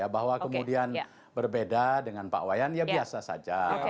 bahwa kemudian berbeda dengan pak wayan ya biasa saja